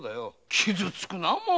傷つくなァもう。